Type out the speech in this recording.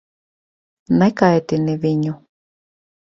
Nekaitini viņu.